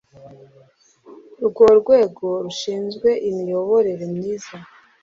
Rwo rwego rushinzwe imiyoborere myiza